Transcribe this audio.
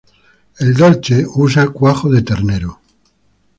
El "Dolce" usa cuajo de ternero.